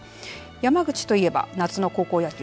山口と言えば夏の高校野球